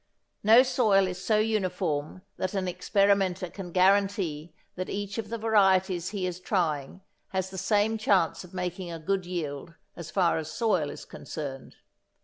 No soil is so uniform that an experimenter can guarantee that each of the varieties he is trying has the same chance of making a good yield as far as soil is concerned.